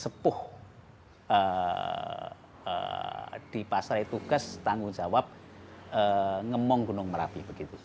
sesepuh di pasra itu kes tanggung jawab ngemong gunung merapi